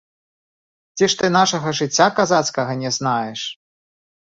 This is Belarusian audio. Ці ж ты нашага жыцця казацкага не знаеш?